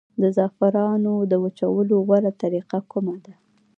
د زعفرانو د وچولو غوره طریقه کومه ده؟